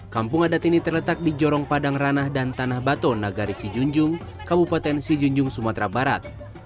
kampung adat ini terletak di jorong padang ranah dan tanah batu nagari sijunjung kabupaten sijunjung sumatera barat